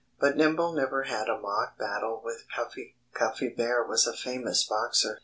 But Nimble never had a mock battle with Cuffy. Cuffy Bear was a famous boxer.